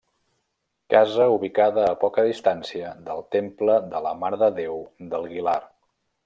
Casa ubicada a poca distància del temple de la Mare de Déu del Guilar.